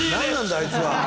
あいつは。